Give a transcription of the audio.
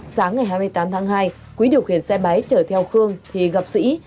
sáng ngày hai mươi tám tháng hai quý điều khiển xe máy chở theo khương thì gặp sĩ